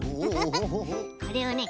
これをね